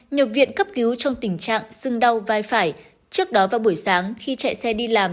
nhập viện cấp cứu trong tình trạng sưng đau vai phải trước đó vào buổi sáng khi chạy xe đi làm